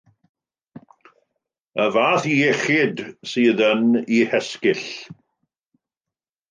Y fath iechyd sydd yn ei hesgyll.